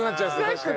確かにね。